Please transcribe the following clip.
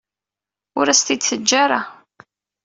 Ur as-t-id-teǧǧa ara.